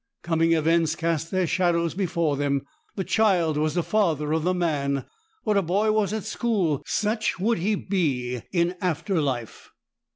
Coming events cast their shadows before them; the child was the father of the man; what a boy was at school, such would he be in after life.